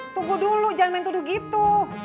tunggu dulu jangan main tuduh gitu